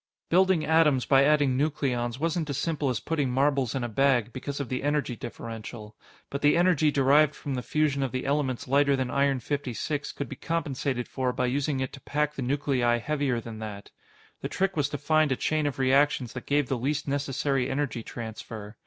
Building atoms by adding nucleons wasn't as simple as putting marbles in a bag because of the energy differential, but the energy derived from the fusion of the elements lighter than Iron 56 could be compensated for by using it to pack the nuclei heavier than that. The trick was to find a chain of reactions that gave the least necessary energy transfer.